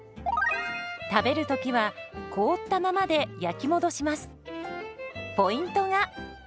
食べる時は凍ったままで焼き戻します。